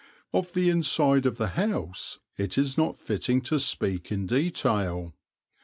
Of the inside of the house it is not fitting to speak in detail.